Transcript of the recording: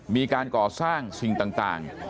มีการก่อสร้างสิ่งต่าง